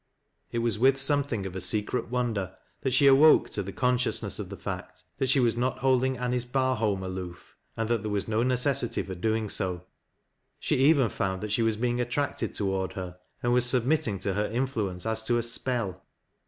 It was with something of secret wonder that she awoke to the con sciousness of the fact that she was not holding Anice Bar holm aloof, and that there was no necessity for doing so. She even found that she was being attracted toward her, and was submitting to her influence as to a spell.